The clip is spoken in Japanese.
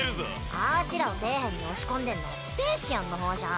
あしらを底辺に押し込んでんのはスペーシアンの方じゃん。